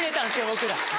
僕ら！